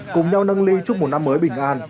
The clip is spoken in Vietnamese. cùng nhau nâng ly chúc một năm mới bình an